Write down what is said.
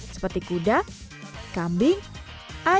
seperti kuda kambing dan kuda rambut